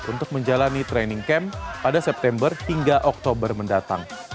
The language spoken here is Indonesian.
untuk menjalani training camp pada september hingga oktober mendatang